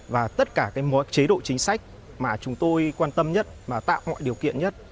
và tất cả các chế độ chính sách mà chúng tôi quan tâm nhất tạo hội điều kiện nhất